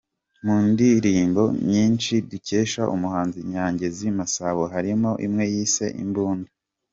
Mu ndirimbo nyinshi dukesha umuhanzi Nyangezi Masabo harimo imwe yise “Imbunda”.